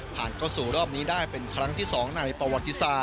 แต่โดยอีกชั่วภูมิครึ่งนี่